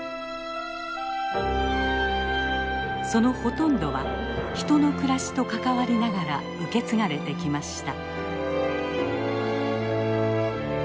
そのほとんどは人の暮らしと関わりながら受け継がれてきました。